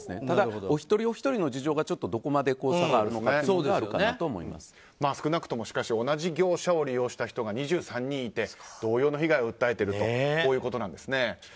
ただ、一人ひとりの事情がどこまであるかは少なくとも同じ業者を利用した人が２３人いて同様の被害を訴えているということなんですね。